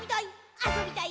あそびたい！